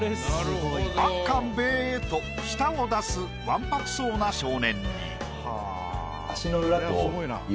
あっかんべーと舌を出すわんぱくそうな少年に。